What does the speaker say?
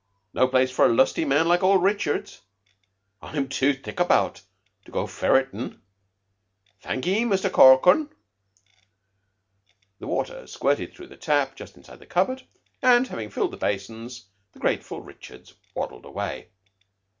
No place for a lusty man like old Richards. I'm tu thickabout to go ferritin'. Thank 'ee, Muster Corkran." The water squirted through the tap just inside the cupboard, and, having filled the basins, the grateful Richards waddled away.